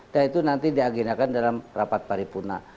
dan itu nanti diagenakan dalam rapat paripuna